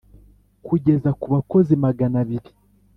Kugeza ku bakozi magana abiri